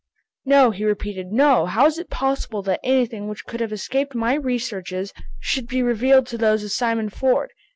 "No," he repeated, "no! How is it possible that anything which could have escaped my researches, should be revealed to those of Simon Ford.